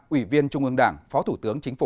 ủy viên trung ương đảng phó thủ tướng chính phủ